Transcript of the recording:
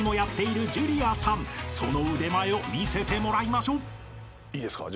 ［その腕前を見せてもらいましょう］いいですか？